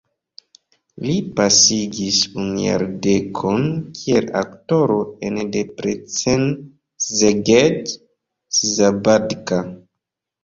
Li pasigis unu jardekon kiel aktoro en Debrecen, Szeged, Szabadka.